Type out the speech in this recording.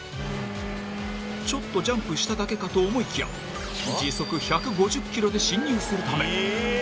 ちょっとジャンプしただけかと思いきや時速１５０ｋｍで進入するため。